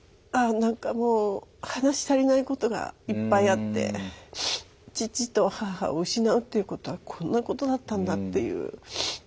なんかもう話し足りないことがいっぱいあって父と母を失うっていうことはこんなことだったんだっていう。